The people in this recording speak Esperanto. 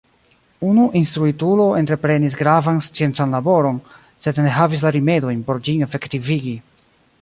Unu instruitulo entreprenis gravan sciencan laboron, sed ne havis la rimedojn por ĝin efektivigi.